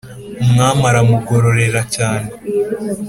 Umwami aramugororera cyane.